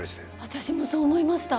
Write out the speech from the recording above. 私もそう思いました。